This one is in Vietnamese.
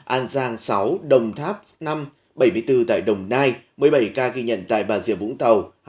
an giang sáu đồng tháp năm bảy mươi bốn tại đồng nai một mươi bảy ca ghi nhận tại bà rịa vũng tàu